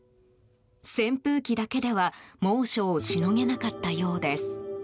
扇風機だけでは猛暑をしのげなかったようです。